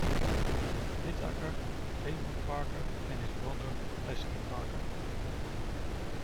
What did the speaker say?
Whitaker, Raymond Parker and his brother Plessey Parker.